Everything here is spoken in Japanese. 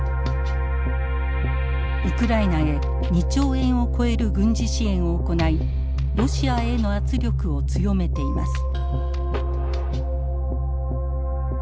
ウクライナへ２兆円を超える軍事支援を行いロシアへの圧力を強めています。